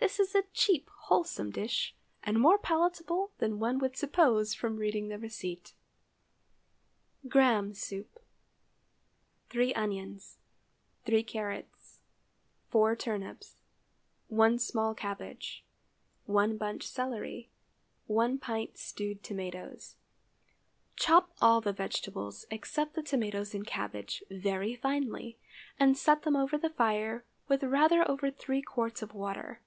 This is a cheap wholesome dish, and more palatable than one would suppose from reading the receipt. GRAHAM SOUP. ✠ 3 onions. 3 carrots. 4 turnips. 1 small cabbage. 1 bunch celery. 1 pt. stewed tomatoes. Chop all the vegetables, except the tomatoes and cabbage, very finely, and set them over the fire with rather over three quarts of water.